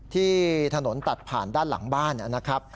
ที่ถนนตัดผ่านด้านหลังบ้านนะครับ